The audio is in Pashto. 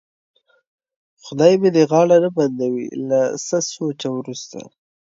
خدای مې دې غاړه نه بندوي، له څه سوچه وروسته.